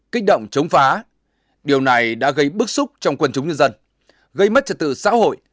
kích động chống phá điều này đã gây bức xúc trong quần chúng nhân dân gây mất trật tự xã hội